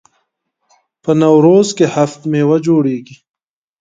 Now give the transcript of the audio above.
په نوروز کې هفت میوه جوړیږي.